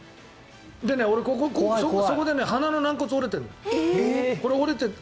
ここで鼻の軟骨折れてるの。